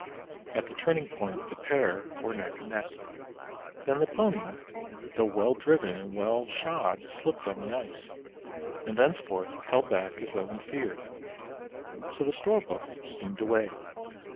At the turning point the pair were neck and neck; then the Pony though well driven and well shod slipped on the ice, and thenceforth held back as though in fear, so the Storbuk steamed away.